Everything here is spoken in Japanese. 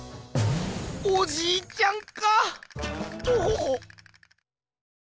おじいちゃんかトホホ。